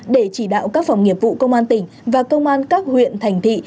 để chỉ đạo các phòng nghiệp vụ công an tỉnh và công an các huyện thành thị